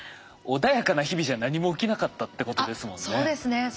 穏やかな日々じゃ何も起きなかったってことですもんね。